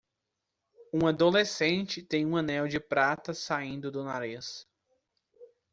Um adolescente tem um anel de prata saindo do nariz.